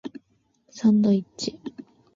サンドイッチ